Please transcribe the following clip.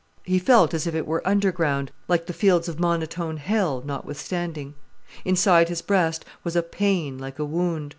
He felt as if it were underground, like the fields of monotone hell, notwithstanding. Inside his breast was a pain like a wound.